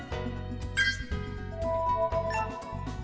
hết xảy ra